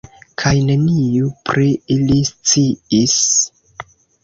Kaj neniu pri ili sciis.